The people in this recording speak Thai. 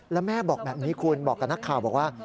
แล้วแม่บอกแบบนี้คุณบอกกับนักข่าวบอกว่า